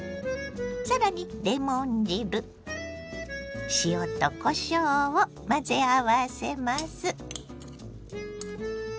さらにレモン汁塩とこしょうを混ぜ合わせます。